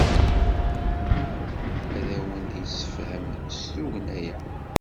Ad awen-d-yessefhem s tugna-a.